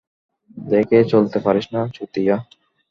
দেখে চলতে পারিস না, চুতিয়া!